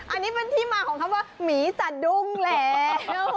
อันนี้เป็นที่มาของคำว่าหมีสะดุ้งแล้ว